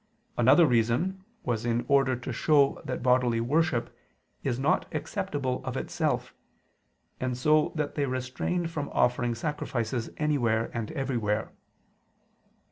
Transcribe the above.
Another reason was in order to show that bodily worship is not acceptable of itself: and so they restrained from offering sacrifices anywhere and everywhere.